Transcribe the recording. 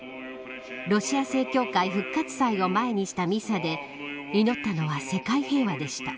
ロシア正教会復活祭を前にしたミサで祈ったのは世界平和でした。